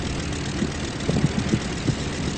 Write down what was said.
所谓的军户就是其户籍种类属于军籍的军人。